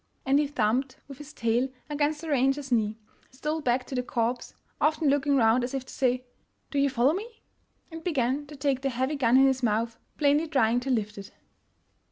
And he thumped with his tail against the ranger's knee, stole back to the corpse, often looking round as if to say, " Do you follow me? " and began to take the heavy gun in his mouth, plainly trying to lift it.